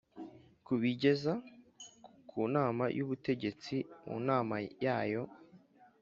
kubigeza ku Nama y ubutegetsi mu nama yayo